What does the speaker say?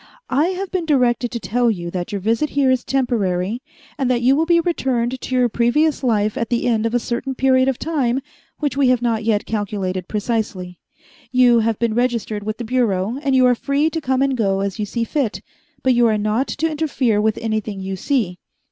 "I have been directed to tell you that your visit here is temporary, and that you will be returned to your previous life at the end of a certain period of time which we have not yet calculated precisely. You have been registered with the Bureau, and you are free to come and go as you see fit, but you are not to interfere with anything you see.